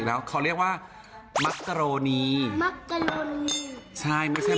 และกันคล้ายกัน